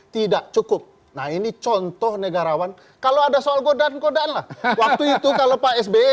tidak cukup nah ini contoh negarawan kalau ada soal godaan godaan lah waktu itu kalau pak sby